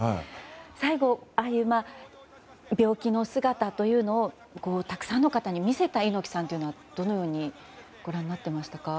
最後、ああいう病気の姿というのをたくさんの方に見せた猪木さんというのはどのようにご覧になっていましたか？